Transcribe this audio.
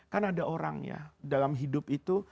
kan ada orang ya dalam hidup itu